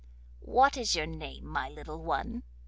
'What is your name, my little one?